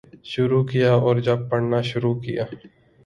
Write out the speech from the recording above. شروع کیا اور جب پڑھنا شروع کیا